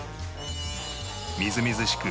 みずみずしく